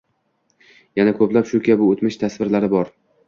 Yana ko’plab shu kabi o’tmish tasvirlari bor.